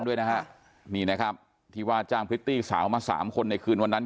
ด้วยนะฮะนี่นะครับที่ว่าจ้างพริตตี้สาวมาสามคนในคืนวันนั้น